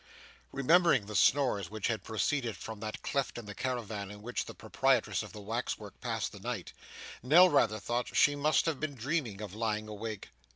Remembering the snores which had proceeded from that cleft in the caravan in which the proprietress of the wax work passed the night, Nell rather thought she must have been dreaming of lying awake.